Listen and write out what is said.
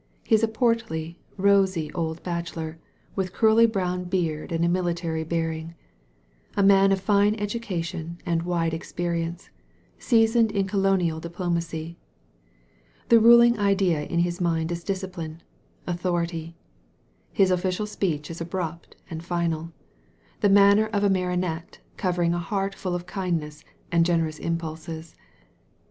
He is a portly, rosy old bachelor, with a curly brown beard and a military bearing; a man of fine education and wide experience, seasoned in colonial diplo macy. The ruling idea in his mind is discipline, authority. His official speech is abrupt and final, the manner of a martinet covering a. heart full of kindness and generous impulses.